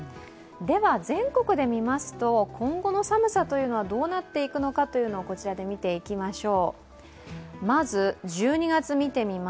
全国で見ますと、今後の寒さはどうなっていくのかをこちらで見ていきましょう。